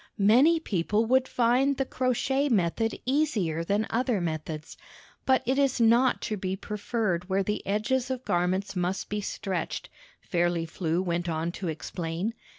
"Many people would find the crochet method easier than other methods, but it is not to be preferred where the edges of garments must be stretched," Fairly Flew went on to explain.